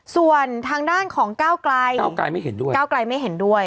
ส่วนทางด้านของก้าวกลายก้าวกลายไม่เห็นด้วย